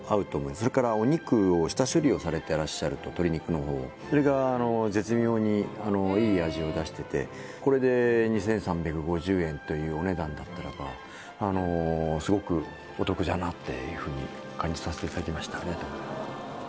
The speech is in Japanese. それからお肉を下処理をされてらっしゃると鶏肉の方をそれがこれで２３５０円というお値段だったらばあのすごくお得だなっていうふうに感じさせていただきました